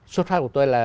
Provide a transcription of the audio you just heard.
xuất phát của tôi là